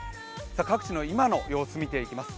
各地の今の様子見ていきます。